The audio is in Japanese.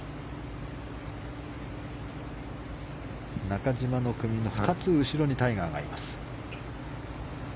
中島の組の２つ後ろにタイガーがいます。